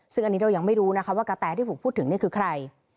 ซึ่งอันนี้เรายังไม่รู้นะคะว่ากะแตที่ผมพูดถึงนี่คือใคร